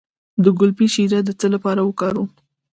د ګلپي شیره د څه لپاره وکاروم؟